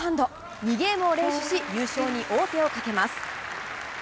２ゲームを連取し、優勝に王手をかけます。